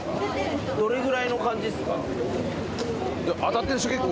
どれぐらいの感じっすか？